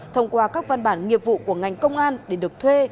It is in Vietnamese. thông qua các văn bản nghiệp vụ của ngành công an để được thuê